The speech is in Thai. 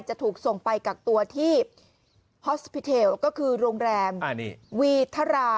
จะถูกส่งไปกักตัวที่ฮอสพิเทลก็คือโรงแรมวีทรา